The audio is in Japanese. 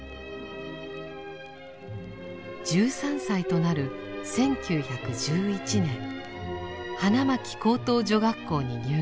１３歳となる１９１１年花巻高等女学校に入学。